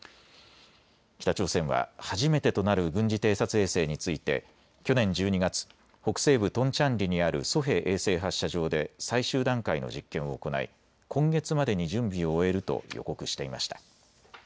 北朝鮮は初めてとなる軍事偵察衛星について去年１２月、北西部トンチャンリにあるソヘ衛星発射場で最終段階の実験を行い今月までに準備を終えると予告していました。